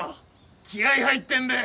気合入ってんべ。